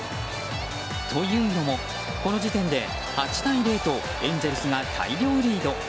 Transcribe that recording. というのもこの時点で８対０とエンゼルスが大量リード。